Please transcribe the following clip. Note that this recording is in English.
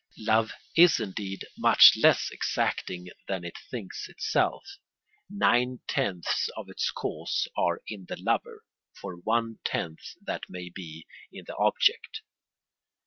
Love is indeed much less exacting than it thinks itself. Nine tenths of its cause are in the lover, for one tenth that may be in the object.